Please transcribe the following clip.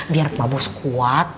biar papus kuat